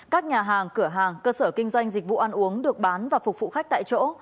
các nhà hàng cửa hàng cơ sở kinh doanh dịch vụ ăn uống được bán và phục vụ khách tại chỗ